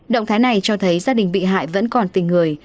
động thái này cho thấy gia đình bị hại vẫn còn tình người